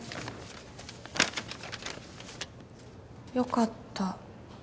「よかった」